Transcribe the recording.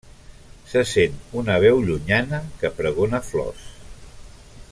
Se sent una veu llunyana que pregona flors.